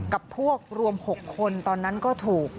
กับพวกรวม๖คนตอนนั้นก็ถูก